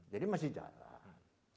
jadi masih jalan